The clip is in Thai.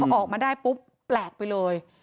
ออกมาได้ปุ๊บแปลกไปเลย